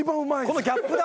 このギャップだ！